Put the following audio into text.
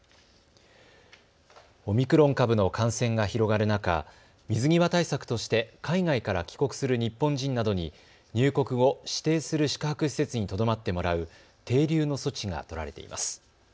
オミクロン株の感染が広がる中、水際対策として海外から帰国する日本人などに入国後、指定する宿泊施設にとどまってもらう停留の措置が取られています。